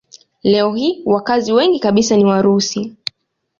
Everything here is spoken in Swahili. Leo hii wakazi wengi kabisa ni Warusi.